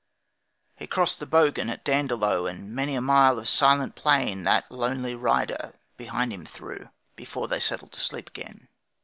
He crossed the Bogan at Dandaloo, And many a mile of the silent plain That lonely rider behind him threw Before they settled to sleep again.